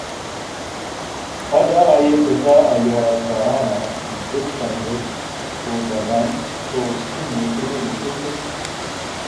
پدا آئی ءِ پت ءَ آئی ءَ راچارانءَ بچکند اِت ءُ درّائینت تو ہُشکیں موسم ءِ لوٹوکے